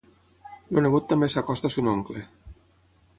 El nebot també s'acosta a son oncle.